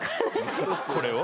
これを？